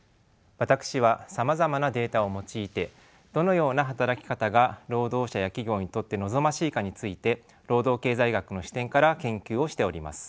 私はさまざまなデータを用いてどのような働き方が労働者や企業にとって望ましいかについて労働経済学の視点から研究をしております。